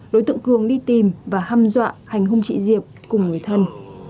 đối tượng cường đi tìm và hăm dọa hành hôn chị diệp cùng người thân